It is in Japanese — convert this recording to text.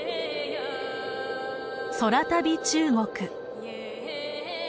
「空旅中国」。